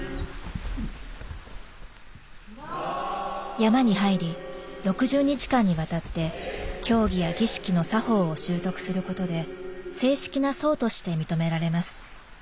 山に入り６０日間にわたって教義や儀式の作法を習得することで正式な僧として認められます。